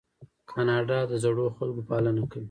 کاناډا د زړو خلکو پالنه کوي.